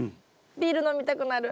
ビール飲みたくなる。